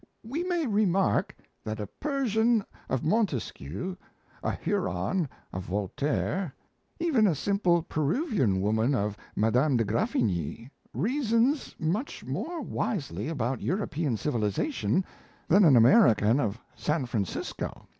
"We may remark that a Persian of Montesquieu, a Huron of Voltaire, even a simple Peruvian woman of Madame de Graffigny, reasons much more wisely about European civilization than an American of San Francisco.